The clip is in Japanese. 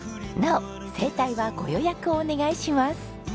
なお整体はご予約をお願いします。